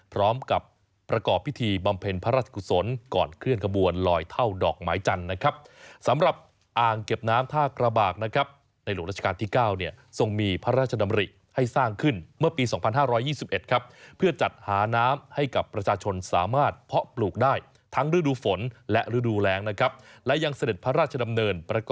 พร้อมกับประกอบพิธีบำเพ็ญพระราชกุศลก่อนเคลื่อนขบวนลอยเท่าดอกไม้จันทร์นะครับสำหรับอ่างเก็บน้ำท่ากระบากนะครับในหลวงราชการที่๙เนี่ยทรงมีพระราชดำริให้สร้างขึ้นเมื่อปี๒๕๒๑ครับเพื่อจัดหาน้ำให้กับประชาชนสามารถเพาะปลูกได้ทั้งฤดูฝนและฤดูแรงนะครับและยังเสด็จพระราชดำเนินประก